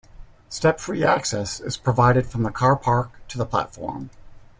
Step-free access is provided from the car park to the platform.